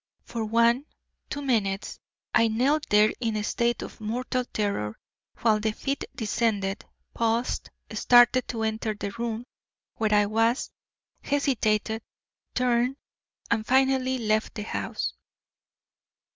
For one, two minutes, I knelt there in a state of mortal terror, while the feet descended, paused, started to enter the room where I was, hesitated, turned, and finally left the house."